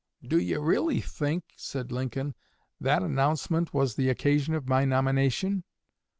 "Do you really think," said Lincoln, "that announcement was the occasion of my nomination?"